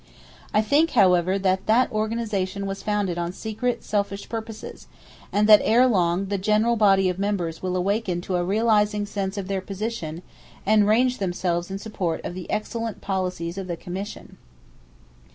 I think, however, that that organization was founded on secret selfish purposes, and that ere long the general body of members will awaken to a realizing sense of their position, and range themselves in support of the excellent policies of the commission.